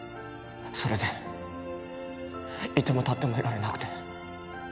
それでいても立ってもいられなくて。